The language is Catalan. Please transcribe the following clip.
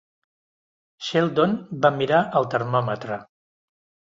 Sheldon va mirar el termòmetre.